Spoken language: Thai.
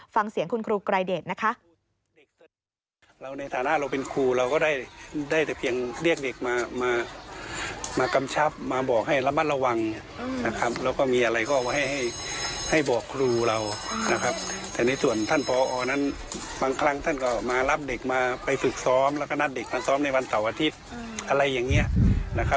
ฟังเสียงคุณครูไกรเดชนะคะ